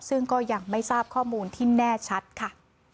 ซึ่งก็ยังไม่ทราบข้อมูลที่แน่ชัดค่ะ